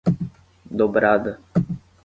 Dobrada